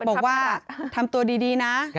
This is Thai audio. บอกว่าทำตัวดีนะ